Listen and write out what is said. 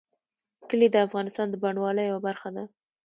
کلي د افغانستان د بڼوالۍ یوه برخه ده.